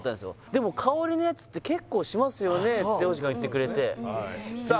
でも香りのやつって結構しますよねって央士くんが言ってくれてさあ